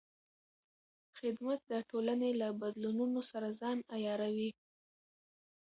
خدمت د ټولنې له بدلونونو سره ځان عیاروي.